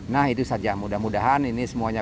nah itu saja mudah mudahan ini semuanya